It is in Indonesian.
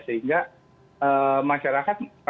sehingga masyarakat merasa ya